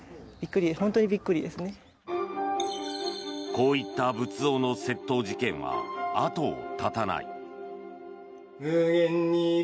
こういった仏像の窃盗事件は後を絶たない。